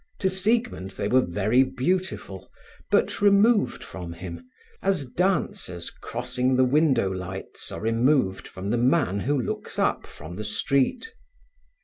To Siegmund they were very beautiful, but removed from him, as dancers crossing the window lights are removed from the man who looks up from the street.